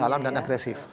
dalam dan agresif